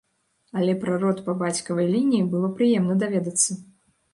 Але пра род па бацькавай лініі было прыемна даведацца.